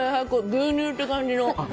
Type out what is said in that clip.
牛乳って感じの。